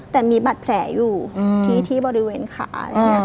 แต่มีบัตรแผลอยู่ที่บริเวณขา